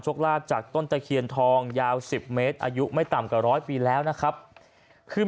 ชกลาภจากต้นเตคียรทองยาว๑๐เมตรอายุไม่ต่ำกับ๑๐๐ปีแล้วนะครับคือ